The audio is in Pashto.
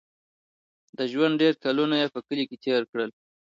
د ژوند ډېر کلونه یې په کلي کې تېر کړل.